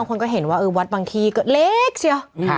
แล้วบางคนก็เห็นว่าเออวัดบางทีก็เล็กเชียว